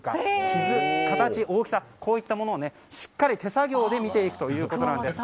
傷、形、大きさこういったものをしっかり手作業で見ていくということなんです。